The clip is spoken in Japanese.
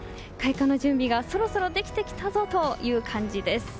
開花の準備がそろそろできてきたぞという感じです。